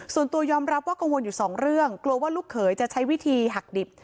ส่วนตัวยอมรับว่ากังวลอยู่สองเรื่องกลัวว่าลูกเขยจะใช้วิธีหักดิบ